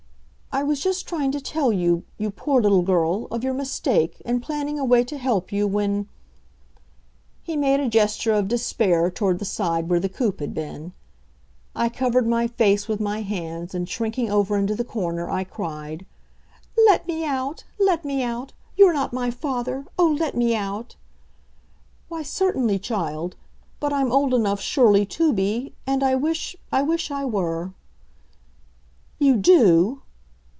"I was just trying to tell you, you poor little girl, of your mistake and planning a way to help you, when " He made a gesture of despair toward the side where the coupe had been. I covered my face with my hands, and shrinking over into the corner, I cried: "Let me out! let me out! You're not my father. Oh, let me out!" "Why, certainly, child. But I'm old enough, surely, to be, and I wish I wish I were." "You do!"